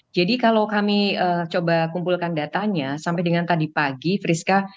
jadi kalau kami coba kumpulkan datanya sampai dengan tadi pagi friska